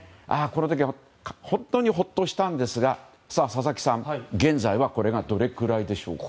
この時は本当にほっとしたんですが佐々木さん、現在はこれがどれぐらいでしょうか？